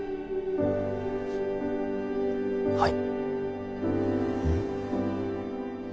はい。